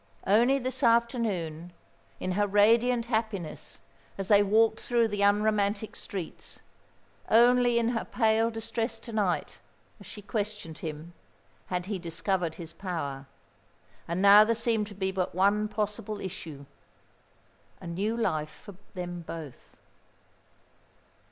Only this afternoon, in her radiant happiness, as they walked through the unromantic streets; only in her pale distress to night, as she questioned him, had he discovered his power: and now there seemed to be but one possible issue a new life for them both.